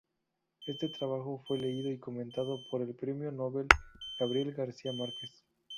Este trabajo fue leído y comentado por el premio Nobel Gabriel García Márquez.